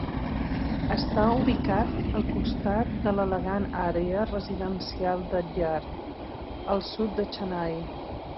Està ubicat al costat de l'elegant àrea residencial d'Adyar, al sud de Chennai.